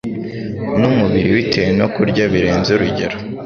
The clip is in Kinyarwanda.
n’umubiri bitewe no kurya birenze urugero